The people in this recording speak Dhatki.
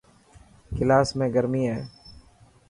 ڪلاس ۾ گرمي هي.